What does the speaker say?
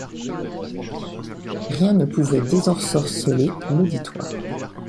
Rien ne pouvait désensorceler l'auditoire.